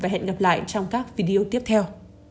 hẹn gặp lại trong các video tiếp theo